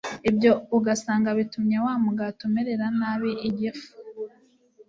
ibyo ugasanga bitumye wa mugati umerera nabi igifu.